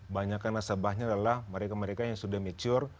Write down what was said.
banyakkan nasabahnya adalah mereka mereka yang sudah mature